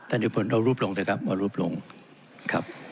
นิพลเอารูปลงเถอะครับเอารูปลงครับ